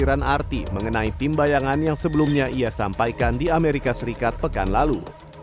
ada salah penafsiran arti mengenai tim bayangan yang sebelumnya ia sampaikan di as pekan lalu